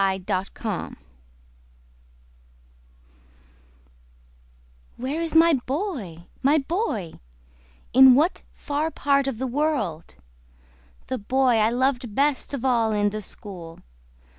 Emily Sparks Where is my boy, my boy In what far part of the world? The boy I loved best of all in the school?